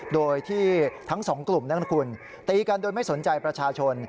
โดยที่ทั้งสองกลุ่มนั้นคุณตีกันโดยไม่สนใจประชาชน